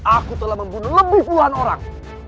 aku telah membunuh lebih puluhan orang